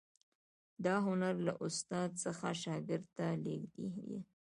دا هنر له استاد څخه شاګرد ته لیږدید.